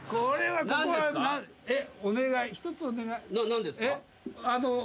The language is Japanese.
何ですか？